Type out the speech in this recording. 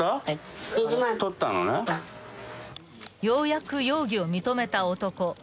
［ようやく容疑を認めた男］